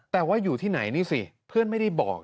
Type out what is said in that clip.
แต่ว่าอยู่ที่ไหนนี่สิเพื่อนไม่ได้บอก